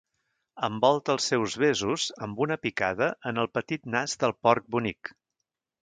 Envolta els seus besos amb una picada en el petit nas del porc bonic.